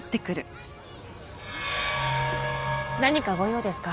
何かご用ですか？